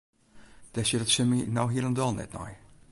Dêr stiet it sin my no hielendal net nei.